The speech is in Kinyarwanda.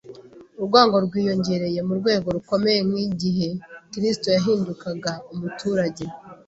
urwango rwiyongereye ku rwego rukomeye nk’igihe Kristo yahindukaga umuturage